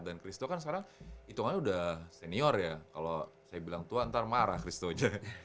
dan christo kan sekarang itungannya udah senior ya kalau saya bilang tua ntar marah christo aja